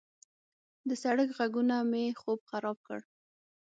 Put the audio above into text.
د سړک غږونه مې خوب خراب کړ.